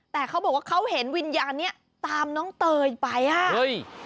แต่เขาบอกว่าเขาเห็นวิญญาณนี้ตามน้องเตยไป